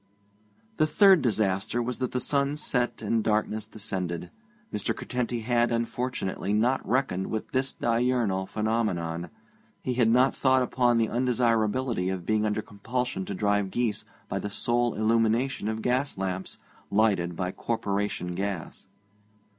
The third disaster was that the sun set and darkness descended. Mr. Curtenty had, unfortunately, not reckoned with this diurnal phenomenon; he had not thought upon the undesirability of being under compulsion to drive geese by the sole illumination of gas lamps lighted by Corporation gas.